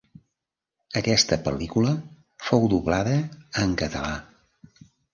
Aquesta pel·lícula fou doblada en català.